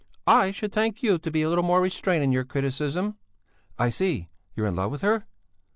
"I should thank you to be a little more restrained in your criticism." "I see. You're in love with her!"